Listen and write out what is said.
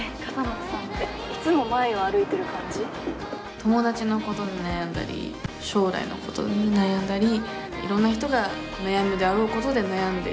友達のことで悩んだり将来のことで悩んだりいろんな人が悩むであろうことで悩んでいる。